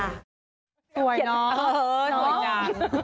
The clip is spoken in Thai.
สวยเนาะ